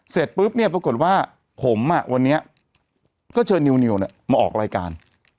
เสร็จปุ๊บเนี่ยปรากฏว่าผมวันนี้ก็เชิญนิวมาออกรายการ